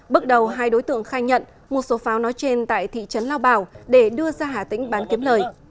bước đầu hai đối tượng khai nhận một số pháo nói trên tại thị trấn lao bảo để đưa ra hà tĩnh bán kiếm lời